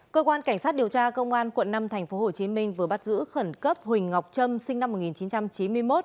cơ quan cảnh sát điều tra công an quận năm tp hcm vừa bắt giữ khẩn cấp huỳnh ngọc trâm sinh năm một nghìn chín trăm chín mươi một